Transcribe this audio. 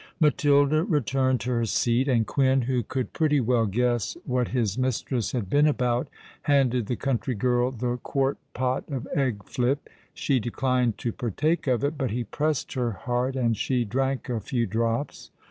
Matilda returned to her seat; and Quin, who could pretty well guess what his mistress had been about, handed the country girl the quart pot of egg flip. She declined to partake of it; but he pressed her hard—and she drank a few drops.